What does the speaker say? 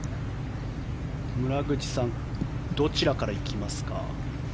村口さんどちらから行きますか？